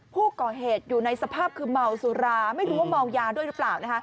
ผู้ก่อเหตุอยู่ในสภาพคือเมาสุราไม่รู้ว่าเมายาด้วยหรือเปล่า